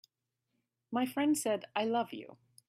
My friend said: "I love you."